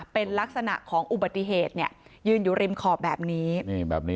เป็นลักษณะของอุบัติเหตุยืนอยู่ริมขอบแบบนี้